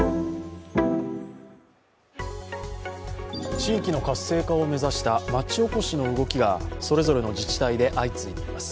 地域の活性化を目指した町おこしの動きがそれぞれの自治体で相次いでいます。